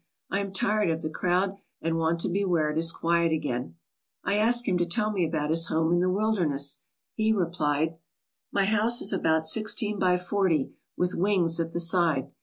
I am tired of the crowd, and want to be where it is quiet again/' I asked him to tell me about his home in the wilderness. He replied :" My house is about sixteen by forty, with wings at the side.